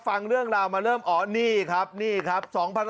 ฟังเรื่องราวมาเริ่มอ๋อนี่ครับ